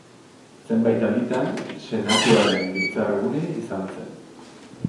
Zenbait alditan, senatuaren biltzar gune izan zen.